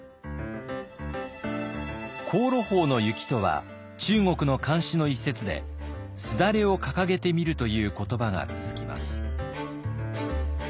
「香炉峰の雪」とは中国の漢詩の一節で「すだれをかかげてみる」という言葉が続きます。